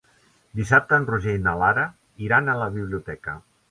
Dissabte en Roger i na Lara iran a la biblioteca.